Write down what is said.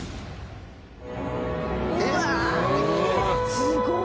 すごーい！